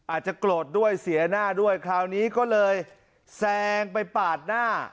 อาจจะโกรธด้วยเสียหน้าด้วยคราวนี้ก็เลยแซงไปปาดหน้า